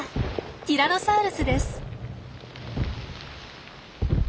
ティラノサウルスです。